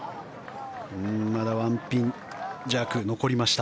まだ１ピン弱残りました。